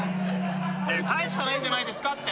帰ったらいいじゃないですかって。